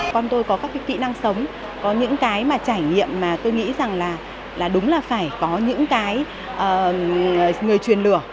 con tôi có các cái kỹ năng sống có những cái mà trải nghiệm mà tôi nghĩ rằng là đúng là phải có những cái người truyền lửa